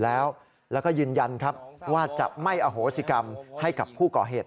แล้วก็ยืนยันครับว่าจะไม่อโหสิกรรมให้กับผู้ก่อเหตุ